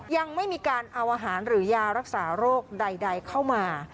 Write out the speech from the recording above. ยังไม่มีการเอาอาหารหรือยารักษาโรคใดเข้ามา